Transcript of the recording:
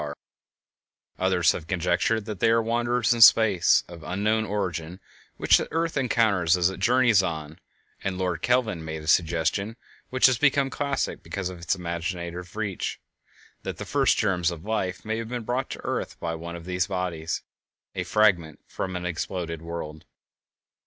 Others have conjectured that they are wanderers in space, of unknown origin, which the earth encounters as it journeys on, and Lord Kelvin made a suggestion which has become classic because of its imaginative reach—viz., that the first germs of life may have been brought to the earth by one of these bodies, "a fragment of an exploded world."